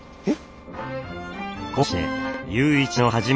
えっ？